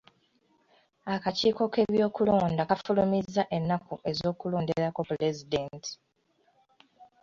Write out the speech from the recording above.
Akakiiko k'ebyokulonda kafulumizza ennaku ez'okulonderako pulezidenti.